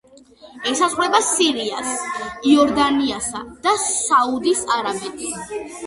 ესაზღვრება სირიას, იორდანიასა და საუდის არაბეთს.